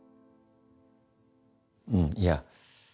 うんいや。